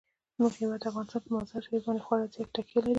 زموږ هیواد افغانستان په مزارشریف باندې خورا زیاته تکیه لري.